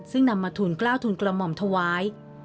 ซึ่งนำมาทุนกล้าวทุนกระหม่อมถวาย